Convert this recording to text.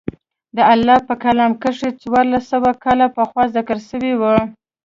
د الله په کلام کښې څوارلس سوه کاله پخوا ذکر سوي وو.